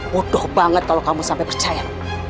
bodoh banget kalau kamu sampai percaya